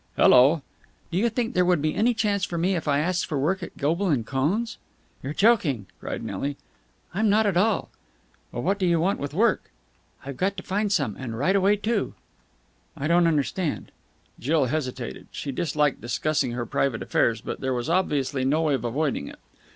"Hello?" "Do you think there would be any chance for me if I asked for work at Goble and Cohn's?" "You're joking!" cried Nelly. "I'm not at all." "But what do you want with work?" "I've got to find some. And right away, too." "I don't understand." Jill hesitated. She disliked discussing her private affairs, but there was obviously no way of avoiding it.